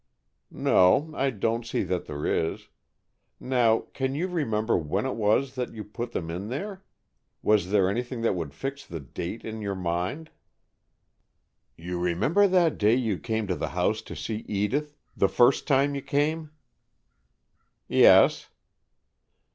"No, I don't see that there is. Now, can you remember when it was that you put them in there? Was there anything that would fix the date in your mind?" "You remember that day you came to the house to see Edith, the first time you came?" "Yes."